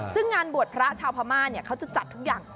ซึ่งงานบวชพระชาวพม่าเขาจะจัดทุกอย่าง